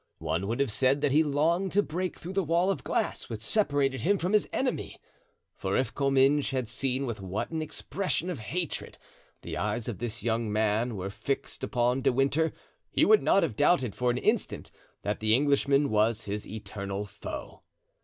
One would have said that he longed to break through the wall of glass which separated him from his enemy; for if Comminges had seen with what an expression of hatred the eyes of this young man were fixed upon De Winter, he would not have doubted for an instant that the Englishman was his eternal foe.